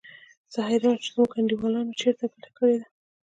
زه حیران شوم چې زموږ انډیوالانو چېرته ګټه کړې ده.